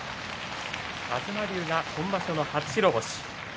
東龍が今場所の初白星。